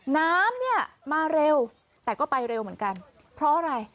น้ำเนี่ยมาเร็วแต่ก็ไปเร็วเหมือนกันเพราะอะไร